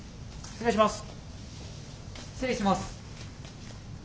失礼します。